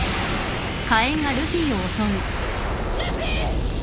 ルフィ！